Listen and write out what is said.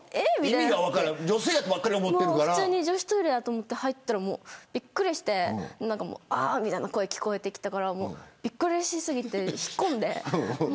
普通に女子トイレだと思って入ったらびっくりしてあーみたいな声が聞こえたからびっくりし過ぎて引っ込んで。